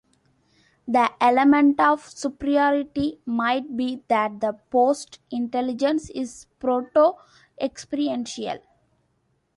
The element of superiority might be that the post-intelligence is proto-experiential.